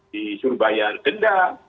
di surubaya genda